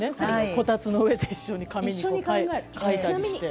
こたつの上で一緒に紙に書いたりして。